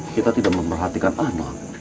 kita tidak memerhatikan anak